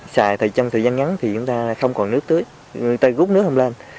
xài trong thời gian ngắn thì chúng ta không còn nước tưới người ta rút nước không lên